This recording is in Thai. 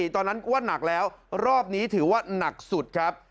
ตอนนั้นว่านักแล้วรอบนี้ถือว่าหนักสุดครับ